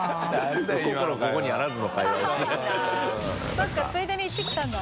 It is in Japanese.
そうかついでに行ってきたんだ。